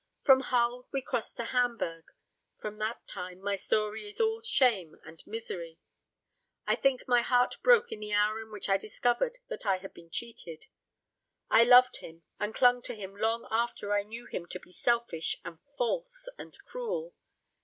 From Hull we crossed to Hamburg. From that time my story is all shame and misery. I think my heart broke in the hour in which I discovered that I had been cheated. I loved him, and clung to him long after I knew him to be selfish and false and cruel.